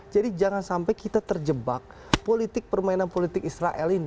jadi jangan sampai kita terjebak politik permainan politik israel ini